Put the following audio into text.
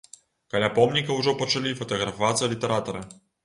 Каля помніка ўжо пачалі фатаграфавацца літаратары.